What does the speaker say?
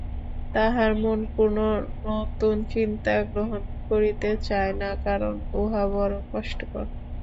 তাহার মন কোন নূতন চিন্তা গ্রহণ করিতে চায় না, কারণ উহা বড় কষ্টকর।